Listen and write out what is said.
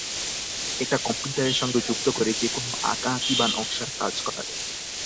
এটা কম্পিউটারের সঙ্গে যুক্ত করে যেকোনো আঁকাআঁকি বা নকশার কাজ করা হয়।